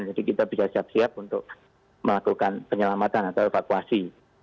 jadi kita bisa siap siap untuk melakukan penyelamatan atau evakuasi